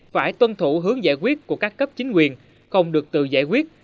phải tuân thủ hướng giải quyết của các cấp chính quyền không được tự giải quyết